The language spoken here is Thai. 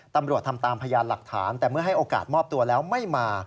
ตำรวจทำตามพยานหลักฐานแต่เมื่อให้โอกาสมอบตัวแล้วไม่มา